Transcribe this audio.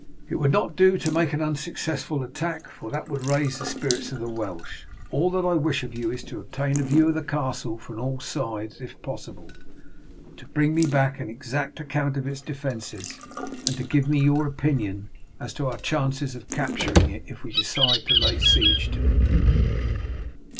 It would not do to make an unsuccessful attack, for that would raise the spirits of the Welsh. All that I wish of you is to obtain a view of the castle from all sides if possible, to bring me back an exact account of its defences, and to give me your opinion as to our chances of capturing it if we decide to lay siege to it."